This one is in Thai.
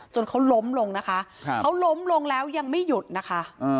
เขาล้มลงนะคะเขาล้มลงแล้วยังไม่หยุดนะคะ